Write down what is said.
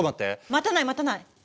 待たない待たない。